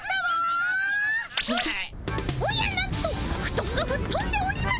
おやなんとフトンがふっとんでおります。